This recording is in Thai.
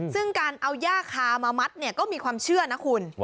ซึ่งการเอาย่าคามามัดเนี่ยก็มีความเชื่อนะคุณ